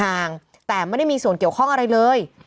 ห่างแต่ไม่ได้มีส่วนเกี่ยวข้องอะไรเลย